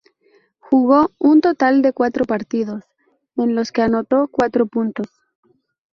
Jugó un total de cuatro partidos, en los que anotó cuatro puntos.